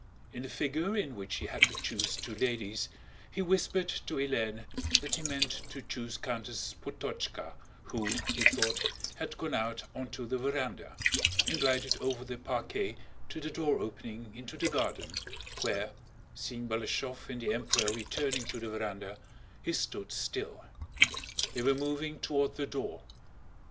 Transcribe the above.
In the figure in which he had to choose two ladies, he whispered to Hélène that he meant to choose Countess Potocka who, he thought, had gone out onto the veranda, and glided over the parquet to the door opening into the garden, where, seeing Balashëv and the Emperor returning to the veranda, he stood still. They were moving toward the door.